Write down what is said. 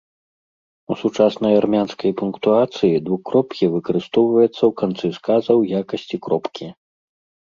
У сучаснай армянскай пунктуацыі двукроп'е выкарыстоўваецца ў канцы сказа ў якасці кропкі.